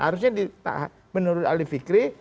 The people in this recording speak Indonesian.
harusnya menurut ali fikri